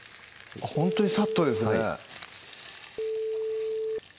ほんとにサッとですね